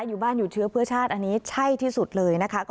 อยู่บ้านอยู่เชื้อเพื่อชาติอันนี้ใช่ที่สุดเลยนะคะ